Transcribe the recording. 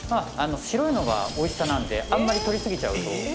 白いのがおいしさなのであんまりとりすぎちゃうと。